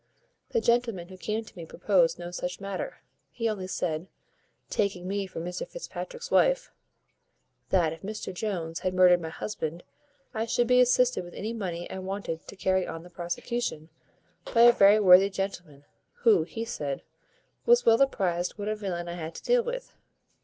The gentleman who came to me proposed no such matter; he only said, taking me for Mr Fitzpatrick's wife, that, if Mr Jones had murdered my husband, I should be assisted with any money I wanted to carry on the prosecution, by a very worthy gentleman, who, he said, was well apprized what a villain I had to deal with.